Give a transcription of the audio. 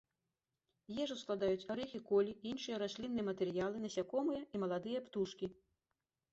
Ежу складаюць арэхі колі, іншыя раслінныя матэрыялы, насякомыя і маладыя птушкі.